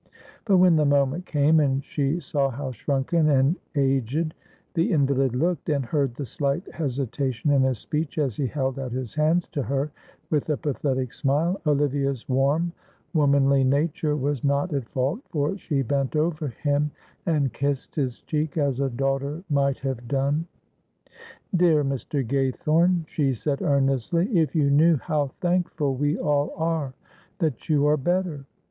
But when the moment came and she saw how shrunken and aged the invalid looked, and heard the slight hesitation in his speech as he held out his hands to her with a pathetic smile, Olivia's warm womanly nature was not at fault, for she bent over him and kissed his cheek as a daughter might have done. "Dear Mr. Gaythorne," she said, earnestly, "if you knew how thankful we all are that you are better."